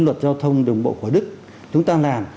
luật giao thông đường bộ của đức chúng ta làm